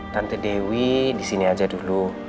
tante dewi disini aja dulu